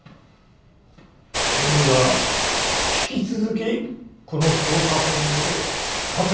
君には引き続きこの捜査本部で活躍してもらう！